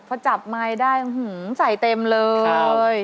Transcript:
หัวจับมายได้ใส่เต็มเลย